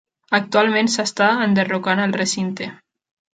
Actualment s'està enderrocant el recinte.